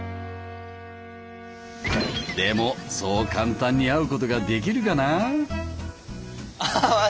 でもそう簡単に会うことができるかな？